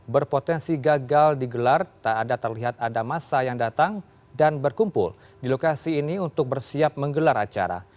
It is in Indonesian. berpotensi gagal digelar tak ada terlihat ada masa yang datang dan berkumpul di lokasi ini untuk bersiap menggelar acara